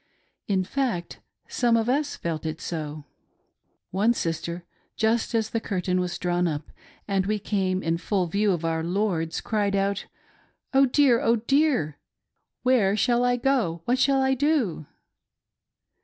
In fact, some of us felt it so. One sister, just as the curtain was drawn up and we came in full view of our lords, cried out :" Oh dear, oh dear, where shall I go ? What shall I do.'"